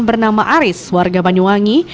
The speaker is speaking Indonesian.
bernama aris warga banyuwangi